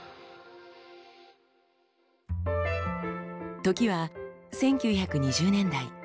時は１９２０年代。